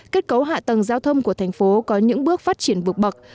kết cấu hạ tầng giao thông của thành phố có những bước phát triển vượt bậc